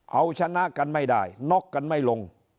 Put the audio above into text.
เอาชนะกันไม่ได้น็อกกันไม่ลง